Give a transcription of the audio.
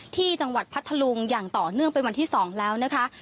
ที่จังหวัดพัทธลุงอย่างต่อเนื่องเป็นวันที่๒แล้วนะคะ